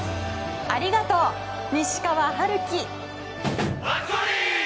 ありがとう、西川遥輝！